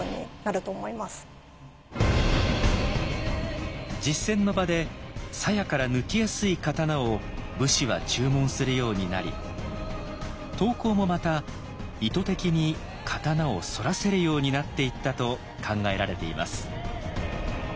やはり実戦の場で鞘から抜きやすい刀を武士は注文するようになり刀工もまた意図的に刀を反らせるようになっていったと考えられています。